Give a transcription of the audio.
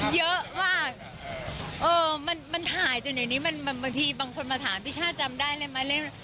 เยอะมากมันถ่ายจนเดี๋ยวนี้มันบางทีบางคนมาถามพี่ช่าจำได้เลยไหมเล่น